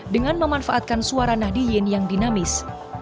dengan memanfaatkan suara nahdiyin yang dinamis